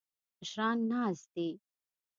مشران ناست دي.